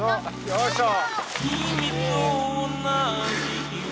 よいしょ！